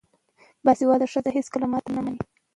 باسواده ښځې هیڅکله ماتې نه مني.